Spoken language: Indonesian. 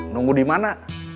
nunggu di mana